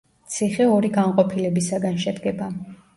ციხე ორი განყოფილებისაგან შედგება.